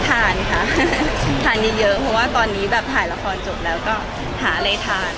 ทานค่ะทานเยอะเพราะว่าตอนนี้แบบถ่ายละครจบแล้วก็หาอะไรทาน